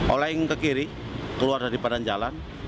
oleng ke kiri keluar dari badan jalan